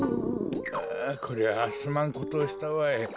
ああこれはすまんことをしたわい。